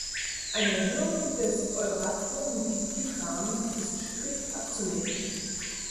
Eine Erhöhung des Euratom-Kreditrahmens ist strikt abzulehnen.